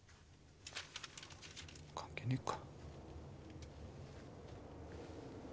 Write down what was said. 関係ねえか。